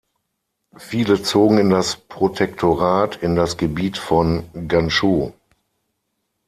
Viele zogen in das Protektorat in das Gebiet von Ganzhou.